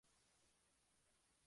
Es miembro de Unión por la Libertad.